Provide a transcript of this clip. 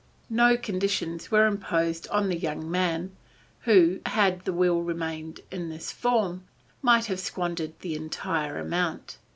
No conditions were imposed on the young man, who, had the will remained in this form, might have squandered the entire amount.